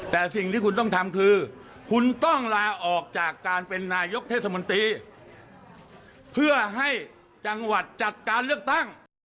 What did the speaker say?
แต่สิ่งที่คุณต้องทำคือคุณต้องลาออกจากการเป็นนายกเทศมนตรีเพื่อให้จังหวัดจัดการเลือกตั้ง